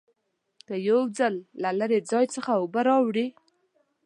که یو ځل له لرې ځای څخه اوبه راوړې.